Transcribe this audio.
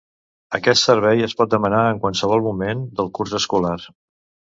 Aquest servei es pot demanar en qualsevol moment del curs escolar.